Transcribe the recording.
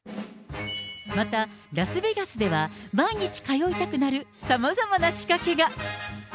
またラスベガスでは、毎日通いたくなるさまざまな仕掛けが。